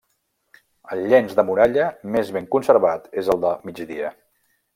El llenç de muralla més ben conservat és el de migdia.